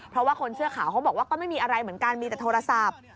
เพราะว่าคนเสื้อขาวเขาบอกว่าก็ไม่มีอะไรเหมือนกันมีแต่โทรศัพท์